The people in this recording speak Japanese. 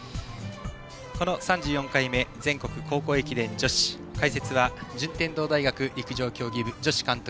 この３４回目の全国高校駅伝女子解説は順天堂大学陸上競技部女子監督